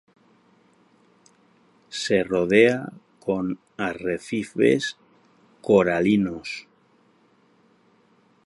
Se rodea con arrecifes coralinos.